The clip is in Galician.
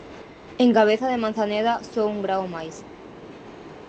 En Cabeza de Manzaneda só un grao máis.